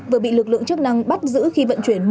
vừa bị lực lượng chức năng bắt giữ khi vận chuyển